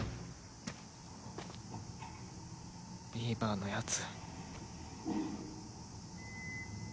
ビーバーのやつ。